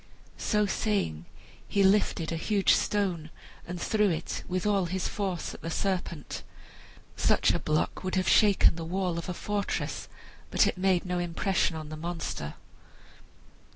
So saying he lifted a huge stone and threw it with all his force at the serpent. Such a block would have shaken the wall of a fortress, but it made no impression on the monster.